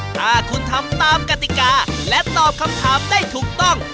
ถ้าคุณทำตามกติกาและตอบคำถามได้ถูกต้อง